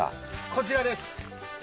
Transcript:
こちらです。